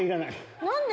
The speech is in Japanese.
何で？